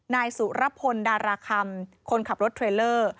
นายสุรพลดาราคำคนขับรถเทรลเลอร์